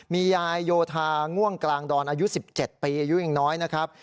มียายโยธาง่วงกลางดอนอายุ๑๗ปีอายุยังน้อยนะครับ